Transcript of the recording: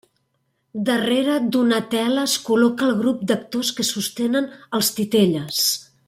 Darrere d'una tela es col·loca el grup d'actors que sostenen els titelles.